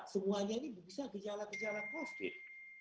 semuanya ini bisa gejala gejala post it